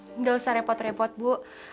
tidak usah repot repot bu